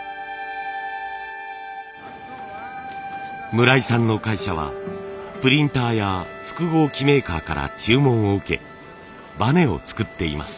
村井さんの会社はプリンターや複合機メーカーから注文を受けバネを作っています。